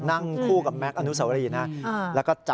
นั่งคู่กับแมคท์อานู้เซาวะรีนะ